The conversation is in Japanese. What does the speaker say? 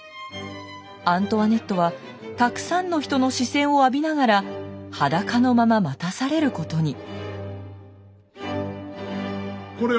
アントワネットはたくさんの人の視線を浴びながら裸のまま待たされることに。